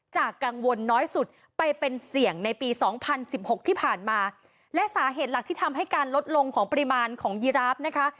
กังวลน้อยสุดไปเป็นเสี่ยงในปีสองพันสิบหกที่ผ่านมาและสาเหตุหลักที่ทำให้การลดลงของปริมาณของยีราฟนะคะ